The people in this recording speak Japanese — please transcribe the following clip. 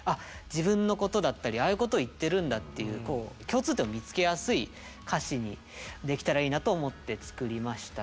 自分のことだったりああいうことを言ってるんだっていう共通点を見つけやすい歌詞にできたらいいなと思って作りましたね。